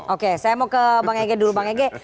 oke saya mau ke bang ege dulu bang ege